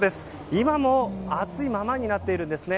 今も暑いままになっているんですね。